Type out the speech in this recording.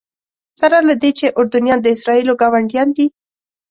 سره له دې چې اردنیان د اسرائیلو ګاونډیان دي.